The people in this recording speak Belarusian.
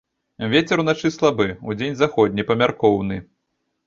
Вецер уначы слабы, удзень заходні памяркоўны.